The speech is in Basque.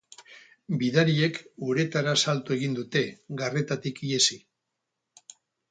Bidariek uretara salto egin dute, garretatik ihesi.